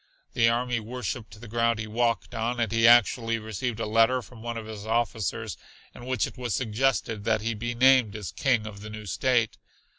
The army worshipped the ground he walked on, and he actually received a letter from one of his officers in which it was suggested that he be named as King of the new state.